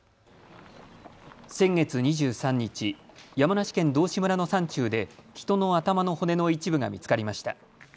先月２３日、山梨県道志村の山中で人の頭の骨の一部が見つかりました。